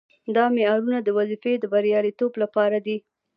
دا معیارونه د وظیفې د بریالیتوب لپاره دي.